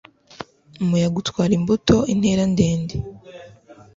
Umuyaga utwara imbuto intera ndende